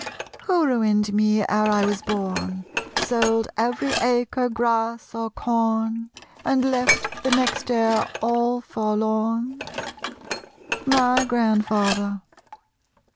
Who ruined me ere I was born, Sold every acre, grass or corn, And left the next heir all forlorn? My Grandfather.